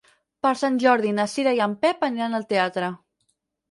Per Sant Jordi na Cira i en Pep aniran al teatre.